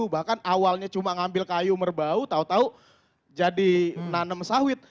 bahkan awalnya cuma ngambil kayu merbau tau tau jadi nanam sawit